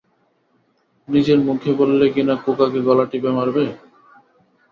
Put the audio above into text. নিজের মুখে বললে কিনা খোকাকে গলা টিপে মারবে?